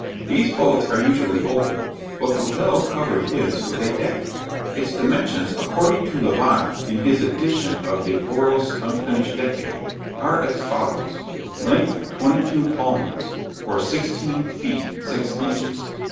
These boats are usually open, but Botelho covered his with a deck: its dimensions, according to Lavanha, in his edition of De Barros' unfinished Decade, are as follows: length, twenty two palmos, or sixteen feet six inches.